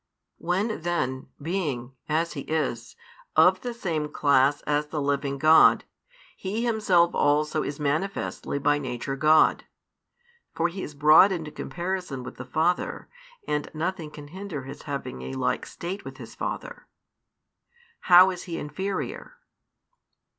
When then, being (as He is), of the same class as the living God, He Himself also is manifestly by nature God for He is brought into comparison with the Father: and nothing can hinder His having a like state with His Father how is He inferior?